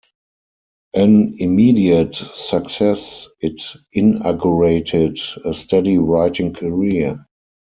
An immediate success, it inaugurated a steady writing career.